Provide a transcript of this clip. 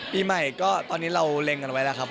ปีใหม่ก็ตอนนี้เราเล็งกันไว้แล้วครับ